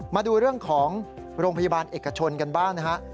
มาดูเรื่องของโรงพยาบาลเอกชนกันบ้างนะฮะ